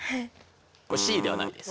これＣではないです。